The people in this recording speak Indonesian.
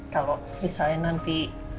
kalau misalnya nanti